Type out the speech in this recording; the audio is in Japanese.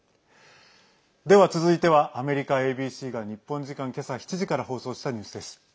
では、続いてはアメリカＡＢＣが日本時間けさ７時から放送したニュースです。